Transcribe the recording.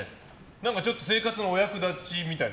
何かちょっと生活のお役立ちみたいな。